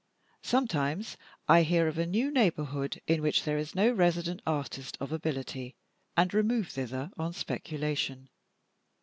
Sometimes I hear of a new neighborhood in which there is no resident artist of ability, and remove thither on speculation.